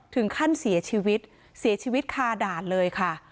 ถึงขั้นเสียชีวิตเสียชีวิตคาด่านเลยค่ะ